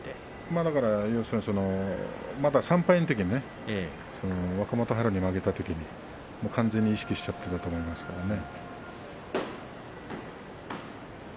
まだ３敗のときに若元春に負けたときに完全に意識しちゃっていたと思いますけれどもね。